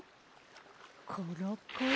コロコロ。